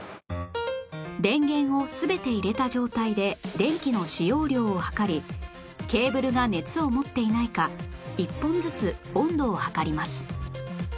電源を全て入れた状態で電気の使用量を測りケーブルが熱を持っていないか１本ずつ温度を測ります